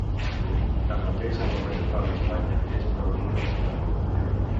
Tanmateix, en la major part d'Espanya és una verdura desconeguda.